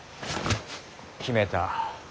決めた。